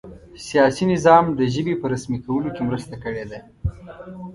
سیاسي نظام د ژبې په رسمي کولو کې مرسته کړې ده.